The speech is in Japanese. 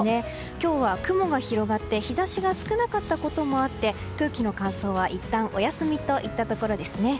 今日は、雲が広がって日差しが少なかったこともあって空気の乾燥はいったんお休みといったところですね。